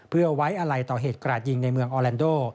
เพื่อไว้อะไรต่อเหตุกราดยิงในเมืองออแลนโด